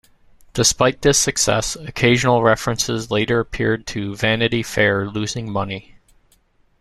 Despite this success, occasional references later appeared to "Vanity Fair" losing money.